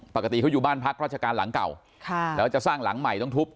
ปกติเขาอยู่บ้านพักราชการหลังเก่าค่ะแล้วจะสร้างหลังใหม่ต้องทุบ